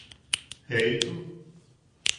–Jeʼitu.